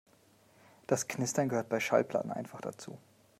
Das Knistern gehört bei Schallplatten einfach dazu.